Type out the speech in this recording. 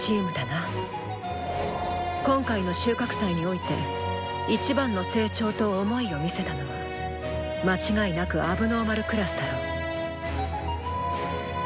今回の収穫祭において一番の成長と想いを見せたのは間違いなく問題児クラスだろう。